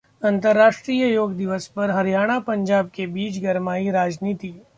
अंतरराष्ट्रीय योग दिवस पर हरियाणा-पंजाब के बीच गरमाई राजनीति